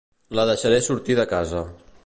La deixaré sortir de casa.